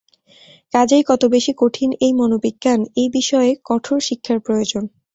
কাজেই কত বেশী কঠিন এই মনোবিজ্ঞান! এই বিষয়ে কঠোর শিক্ষার প্রয়োজন হয়।